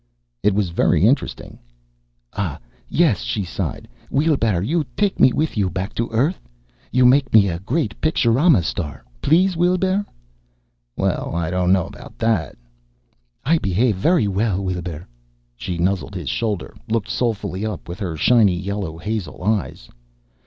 "It was very interesting." "Ah, yes." She sighed. "Weelbrrr, you take me with you back to Earth? You make me a great picturama star, please, Weelbrrr?" "Well, I don't know about that." "I behave very well, Weelbrrr." She nuzzled his shoulder, looked soulfully up with her shiny yellow hazel eyes.